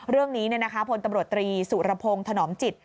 เรื่องนี้พลตำรวจตรีสุรพงศ์ถนอมจิต